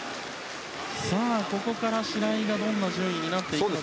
ここから白井がどんな順位になっていくか。